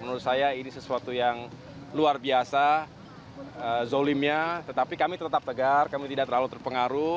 menurut saya ini sesuatu yang luar biasa zolimnya tetapi kami tetap tegar kami tidak terlalu terpengaruh